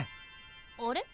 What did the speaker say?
あれ？